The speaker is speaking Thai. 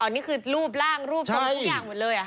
อ๋อนี่คือรูปร่างรูปทุกอย่างหมดเลยอ่ะครับ